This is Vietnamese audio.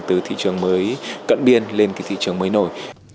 từ thị trường mới cận biên lên cái thị trường mới nổi